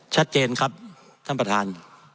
ชัดเจนครับท่านประธาน